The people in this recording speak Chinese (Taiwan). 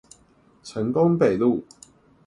成功北路